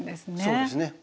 そうですね。